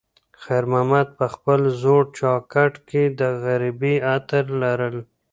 خیر محمد په خپل زوړ جاکټ کې د غریبۍ عطر لرل.